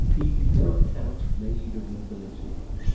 He no account made of nobility.